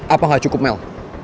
apa gak cukup mel